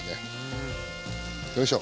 よいしょ。